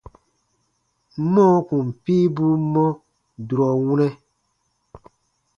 Mɔɔ kùn piibuu mɔ durɔ wunɛ: